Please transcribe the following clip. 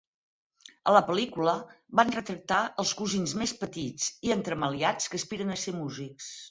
A la pel·lícula, van retractar els cosins més petits i entremaliats que aspiren a ser músics.